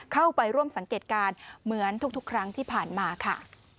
เข้าไปร่วมสังเกตการณ์เหมือนทุกครั้งที่ผ่านมาค่ะ